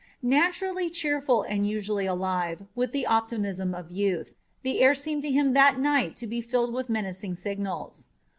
Naturally cheerful and usually alive with the optimism of youth, the air seemed to him that night to be filled with menacing signals.